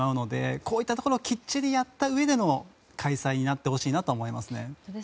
こういったところをきっちりやったうえでの開催になってほしいなと思います。